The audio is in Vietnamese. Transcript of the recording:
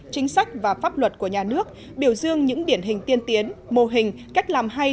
chính sách và pháp luật của nhà nước biểu dương những điển hình tiên tiến mô hình cách làm hay